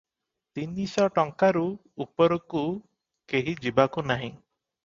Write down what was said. ତିନିଶ ଟଙ୍କାରୁ ଉପରକୁ କେହି ଯିବାକୁ ନାହିଁ ।